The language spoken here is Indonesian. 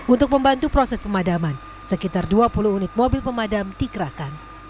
untuk membantu proses pemadaman sekitar dua puluh unit mobil pemadam dikerahkan